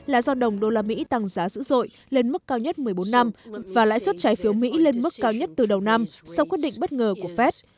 là do đồng usd tăng giá dữ dội lên mức cao nhất một mươi bốn năm và lãi suất trái phiếu mỹ lên mức cao nhất từ đầu năm sau quyết định bất ngờ của phép